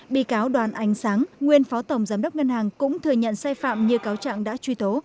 bị cáo đoàn ánh sáng nguyên phó tổng giám đốc ngân hàng cũng thừa nhận sai phạm như cáo trạng đã truy tố